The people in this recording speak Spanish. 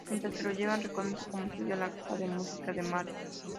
Mientras se lo llevan, reconoce como suya la caja de música de Marty.